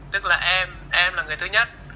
tức là em em là người thứ nhất